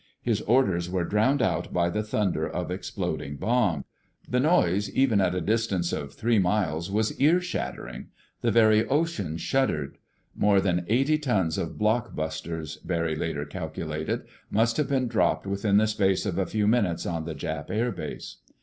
His orders were drowned out by the thunder of exploding bombs. [Illustration: Peering Through the Camouflage They All Cheered] The noise, even at a distance of three miles, was ear shattering. The very ocean shuddered. More than eighty tons of block busters, Barry later calculated, must have been dropped within the space of a few minutes on the Jap air base.